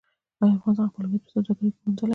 آیا افغانستان خپل هویت په سوداګرۍ کې موندلی؟